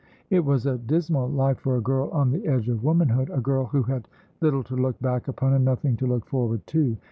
It was a dismal life for a girl on the edge of womanhood a girl who had little to look back upon and nothing to look forward to.